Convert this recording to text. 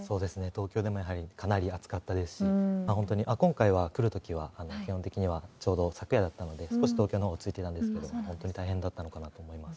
東京でもやはり、かなり暑かったですし、本当に今回は、来るときは、基本的には、ちょうど昨夜だったんで、少し東京のほうは落ち着いてたんですけれども、本当に大変だったのかなと思います。